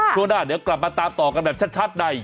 ช่วงหน้าเดี๋ยวกลับมาตามต่อกันแบบชัดใน